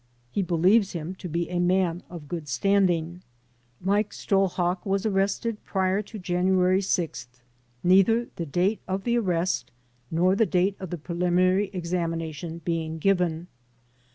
He believes him to be a man of good stand ing. ^2 ike Strlhok was arrested prior to January 6th, neither the date of the arrest nor the date of the preliminary examination being given.